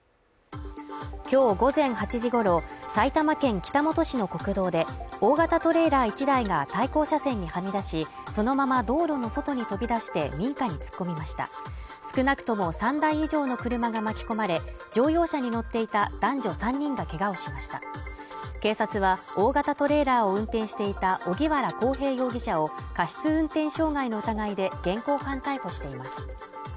今日午前８時ごろ埼玉県北本市の国道で大型トレーラー１台が対向車線にはみ出しそのまま道路の外に飛び出して民家に突っ込みました少なくとも３台以上の車が巻き込まれ乗用車に乗っていた男女３人がけがをしました警察は大型トレーラーを運転していた荻原航平容疑者を過失運転傷害の疑いで現行犯逮捕しています